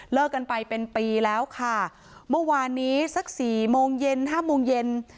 กันไปเป็นปีแล้วค่ะเมื่อวานนี้สักสี่โมงเย็นห้าโมงเย็น